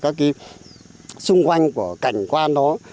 các cái xung quanh của cảnh quan đó